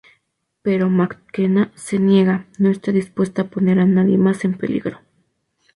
Pero McKenna se niega, no está dispuesta a poner a nadie más en peligro.